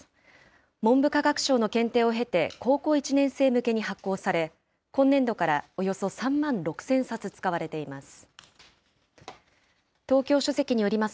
文部科学省の検定を経て、高校１年生向けに発行され、今年度からおよそ３万６０００冊使われています。